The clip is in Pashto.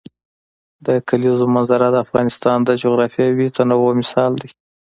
د کلیزو منظره د افغانستان د جغرافیوي تنوع مثال دی.